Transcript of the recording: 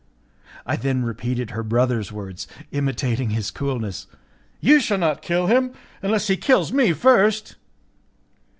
I then repeated her brother's words, imitating his coolness: "You shall not kill him, unless he kills me first."